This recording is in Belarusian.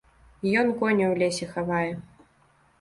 Ён коні ў лесе хавае.